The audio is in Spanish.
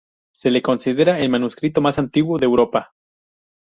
Se le considera el manuscrito más antiguo de Europa.